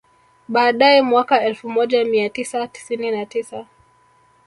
Baadae mwaka elfu moja mia tisa tisini na tisa